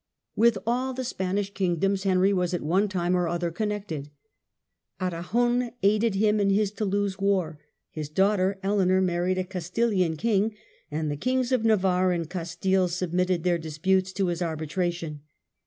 With all the Spanish kingdoms Henry was at one time or other connected. An^on aided him in his Toulouse war, his daughter Eleanor married a Castilian king, and the Kings of Navarre and Castile submitted their disputes to his arbitration.